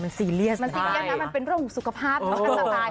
มันซีเรียสนะมันเป็นเรื่องสุขภาพมันสบาย